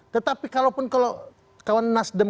tetapi kalau pun kalau kawan nasdem